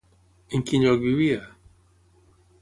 En quin lloc vivia?